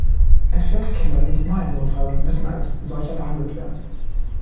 Entführte Kinder sind immer ein Notfall und müssen als solcher behandelt werden.